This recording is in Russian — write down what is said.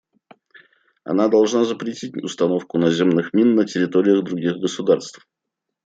Она должна запретить установку наземных мин на территории других государств.